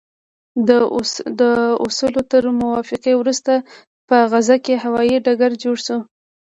د اوسلو تر موافقې وروسته په غزه کې هوايي ډګر جوړ شو.